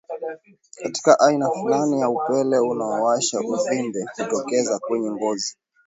Katika aina fulani ya upele unaowasha uvimbe hutokeza kwenye ngozi